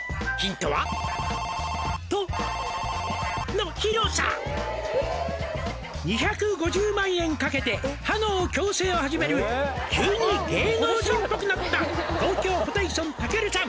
「立地担当の」「２５０万円かけて歯の矯正を始める」「急に芸能人っぽくなった東京ホテイソンたけるさん」